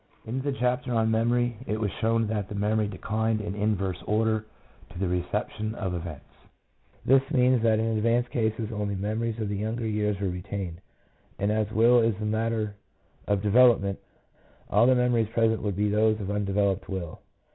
In the chapter on memory it was shown that the memory declined in inverse order to the reception of events. This means that in advanced cases, only memories of the younger years were retained; and as will is a matter of development, all the memories present would be those of undeveloped will.